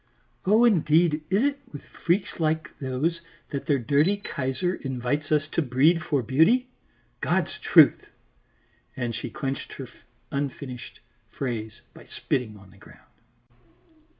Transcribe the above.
"Oh indeed, is it with freaks like those that their dirty Kaiser invites us to breed for beauty? God's truth!" and she clinched her unfinished phrase by spitting on the ground.